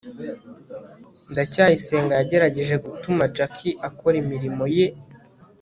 ndacyayisenga yagerageje gutuma jaki akora imirimo ye